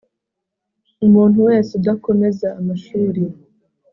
umuntu wese udakomeza amashuri